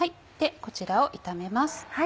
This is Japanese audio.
こちらを炒めます。